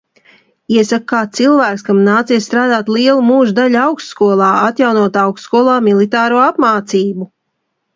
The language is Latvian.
Iesaku kā cilvēks, kam nācies strādāt lielu mūža daļu augstskolā, atjaunot augstskolā militāro apmācību.